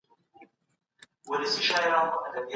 زه اوږده وخت د سبا لپاره د نوټونو يادونه کوم وم.